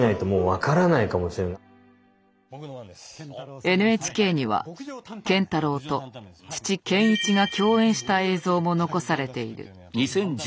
ちょっとそれはＮＨＫには建太郎と父建一が共演した映像も残されている。